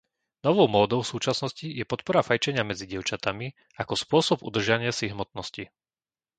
Novou módou v súčasnosti je podpora fajčenia medzi dievčatami ako spôsob udržania si hmotnosti.